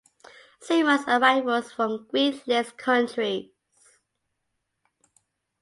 Same as arrivals from Green list countries.